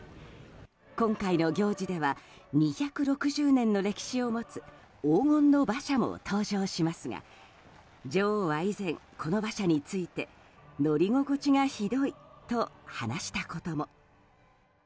今回の行事では２６０年の歴史を持つ黄金の馬車も登場しますが女王は以前、この馬車について乗り心地がひどいと話したことも。